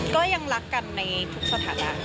ก็ยังรักกันในทุกสถานะ